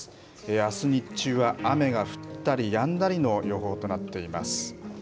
あす日中は雨が降ったりやんだりの予報となっています。